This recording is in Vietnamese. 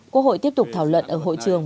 quốc hội tiếp tục thảo luận ở hội trường